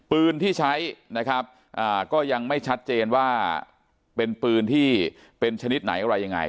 ปืนที่ใช้นะครับก็ยังไม่ชัดเจนว่าเป็นปืนที่เป็นชนิดไหนอะไรยังไง